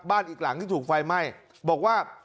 อีกหลังที่ถูกไฟไหม้บอกว่า